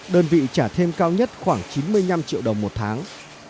đơn vị trả thêm cao nhất khoảng chín mươi năm triệu đồng một tháng